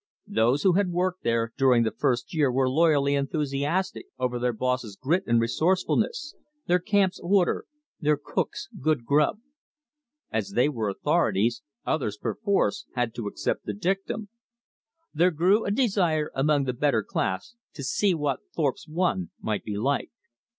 Those who had worked there during the first year were loyally enthusiastic over their boss's grit and resourcefulness, their camp's order, their cook's good "grub." As they were authorities, others perforce had to accept the dictum. There grew a desire among the better class to see what Thorpe's "One" might be like.